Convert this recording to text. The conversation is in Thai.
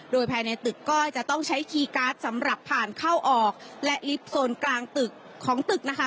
โดยภายในตึกก็จะต้องใช้คีย์การ์ดสำหรับผ่านเข้าออกและลิฟต์โซนกลางตึกของตึกนะคะ